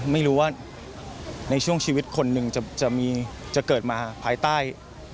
ไม่รู้ว่าในช่วงชีวิตคนหนึ่งจะเกิดมาภายใต้